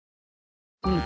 うん。